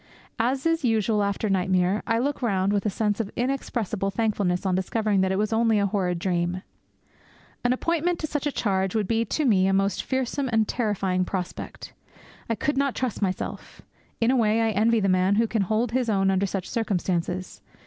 As is usual after nightmare, I look round with a sense of inexpressible thankfulness on discovering that it was only a horrid dream. An appointment to such a charge would be to me a most fearsome and terrifying prospect. I could not trust myself. In a way, I envy the man who can hold his own under such circumstances.